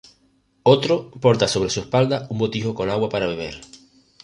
Otro porta sobre su espalda un botijo con agua para beber.